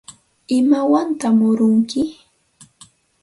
¿Imawantaq murunki?